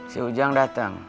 si ujang dateng